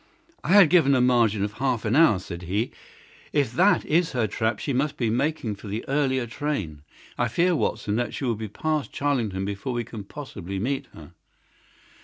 "I had given a margin of half an hour," said he. "If that is her trap she must be making for the earlier train. I fear, Watson, that she will be past Charlington before we can possibly meet her."